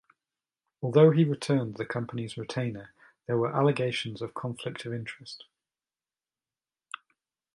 Although he returned the company's retainer, there were allegations of conflict of interest.